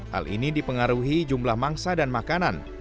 hal ini dipengaruhi jumlah mangsa dan makanan